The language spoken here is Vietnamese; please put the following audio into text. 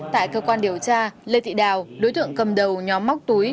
tại cơ quan điều tra lê thị đào đối tượng cầm đầu nhóm móc túi